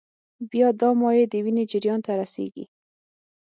بیا دا مایع د وینې جریان ته رسېږي.